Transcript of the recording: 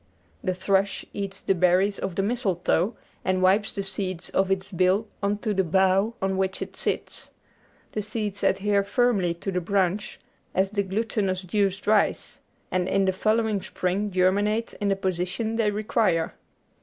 The thrush eats the berries of the mistletoe, and wipes the seeds off its bill on to the bough on which it sits. The seeds adhere firmly to the branch as the glutinous juice dries, and in the following spring germinate in the position they require.